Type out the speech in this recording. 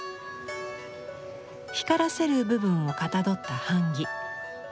光らせる部分をかたどった版木。